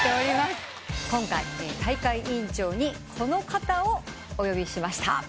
今回大会委員長にこの方をお呼びしました。